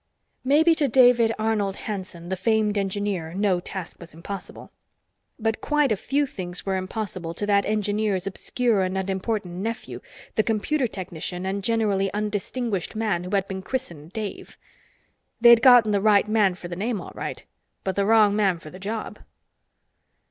Maybe to David Arnold Hanson, the famed engineer, no task was impossible. But quite a few things were impossible to that engineer's obscure and unimportant nephew, the computer technician and generally undistinguished man who had been christened Dave. They'd gotten the right man for the name, all right. But the wrong man for the job.